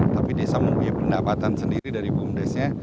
tapi desa mempunyai pendapatan sendiri dari bumdes nya